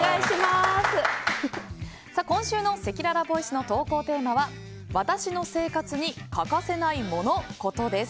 今週のせきららボイスの投稿テーマは私の生活に欠かせないモノ・コトです。